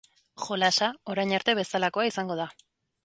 Jolasa orain arte bezalakoa izango da.